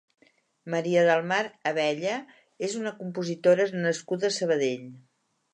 Maria del Mar Abella és una compositora nascuda a Sabadell.